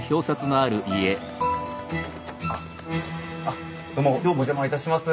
あっどうもお邪魔いたします。